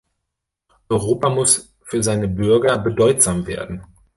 Europa muss für seine Bürger bedeutsam werden.